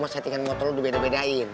mau settingan motor lu dibedain bedain